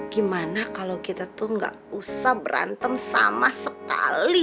gimana kalau kita tuh gak usah berantem sama sekali